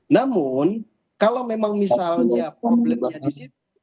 namun kalau memang misalnya problemnya disitu